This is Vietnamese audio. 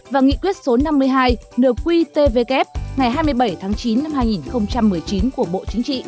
và nghị quyết số năm mươi hai nửa quy tvkf ngày hai mươi bảy tháng chín năm hai nghìn một mươi chín của bộ chính trị